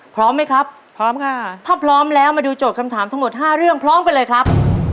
พร้อมไหมครับพร้อมค่ะถ้าพร้อมแล้วมาดูโจทย์คำถามทั้งหมด๕เรื่องพร้อมกันเลยครับ